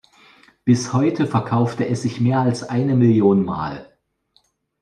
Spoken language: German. Bis heute verkaufte es sich mehr als eine Million Mal.